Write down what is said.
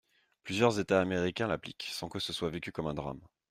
Plusieurs États américains l’appliquent, sans que ce soit vécu comme un drame.